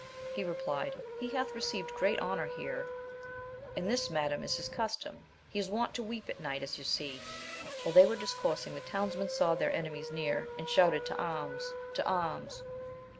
He re sized. He bath received great \iOiiO\a \i«tft, ^2cASX\\^, 52 AMADIS OF GAUL madam, is his custom : he is wont to weep at night, as you see. While they were discoursing, the townsmen saw their enemies near, and shouted, to arms ! to arms